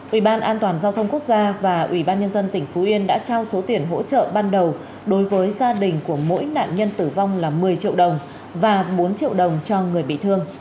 ủy ban an toàn giao thông quốc gia và ủy ban nhân dân tỉnh phú yên đã trao số tiền hỗ trợ ban đầu đối với gia đình của mỗi nạn nhân tử vong là một mươi triệu đồng và bốn triệu đồng cho người bị thương